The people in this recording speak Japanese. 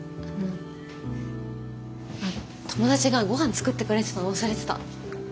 あの友達がごはん作ってくれてたの忘れてた。